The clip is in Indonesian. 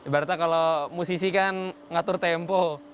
berarti kalau musisi kan ngatur tempo